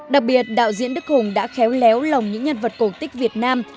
đặc biệt đạo diễn đức hùng đã khéo léo lòng những nhân vật cổ tích việt nam